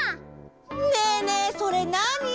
ねえねえそれなに？